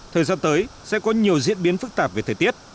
thời gian tới sẽ có nhiều diễn biến phức tạp về thời tiết